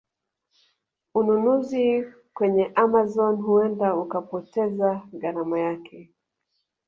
Ununuzi kwenye Amazon huenda ukapoteza gharama yake